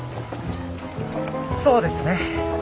そうですね。